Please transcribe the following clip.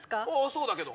そうだけど。